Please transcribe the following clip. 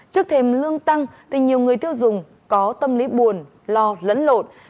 trước thêm lương tăng thì nhiều người tiêu dùng có tâm lý buồn lo lẫn lộn